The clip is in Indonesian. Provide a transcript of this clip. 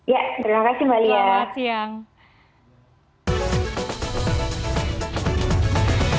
ya terima kasih mbak lia